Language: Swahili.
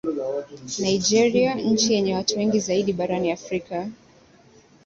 nigeria nchi yenye watu wengi zaidi barani afrika